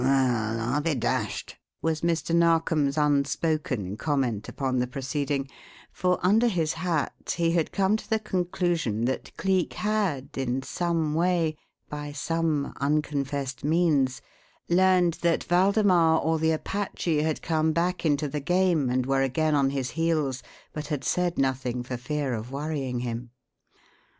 "Well, I'll be dashed!" was Mr. Narkom's unspoken comment upon the proceeding for, under his hat, he had come to the conclusion that Cleek had, in some way, by some unconfessed means, learned that Waldemar or the Apache had come back into the game and were again on his heels, but had said nothing for fear of worrying him.